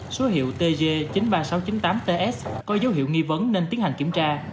số hiệu tg chín mươi ba nghìn sáu trăm chín mươi tám ts có dấu hiệu nghi vấn nên tiến hành kiểm tra